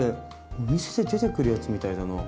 お店で出てくるやつみたいだな。